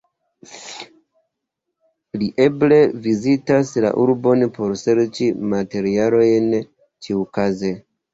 Li eble vizitis la urbon por serĉi materialojn ĉiukaze.